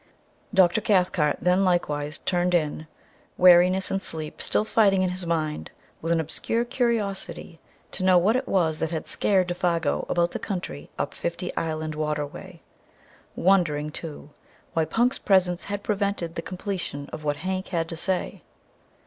Dr. Cathcart then likewise turned in, weariness and sleep still fighting in his mind with an obscure curiosity to know what it was that had scared Défago about the country up Fifty Island Water way, wondering, too, why Punk's presence had prevented the completion of what Hank had to say.